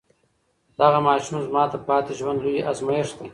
دغه ماشوم زما د پاتې ژوند لوی ازمېښت دی.